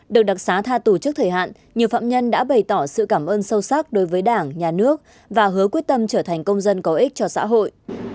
được đặc xá tha tù trước thời hạn nhiều phạm nhân đã bày tỏ sự cảm ơn sâu sắc đối với đảng nhà nước và hứa quyết tâm trở thành công dân có ích cho xã hội